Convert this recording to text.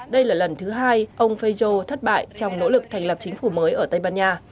đây là lần thứ hai ông feijó thất bại trong nỗ lực thành lập chính phủ mới ở tây ban nha